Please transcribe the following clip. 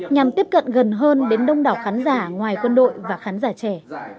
nhằm tiếp cận gần hơn đến đông đảo khán giả ngoài quân đội và khán giả trẻ